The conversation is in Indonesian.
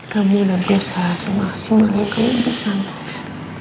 kamu udah berusaha semaksimal yang kamu bisa mas